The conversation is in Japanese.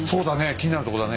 気になるとこだね。